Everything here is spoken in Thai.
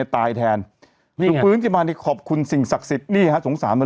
ตายแทนคือฟื้นขึ้นมานี่ขอบคุณสิ่งศักดิ์สิทธิ์นี่ฮะสงสารมัน